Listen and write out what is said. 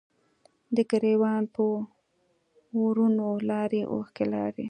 د ګریوان په ورونو لارې، اوښکې لارې